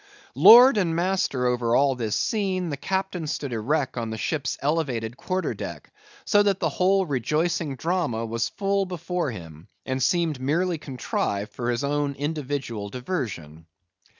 Lord and master over all this scene, the captain stood erect on the ship's elevated quarter deck, so that the whole rejoicing drama was full before him, and seemed merely contrived for his own individual diversion.